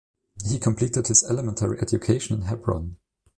He completed his elementary education in Hebron.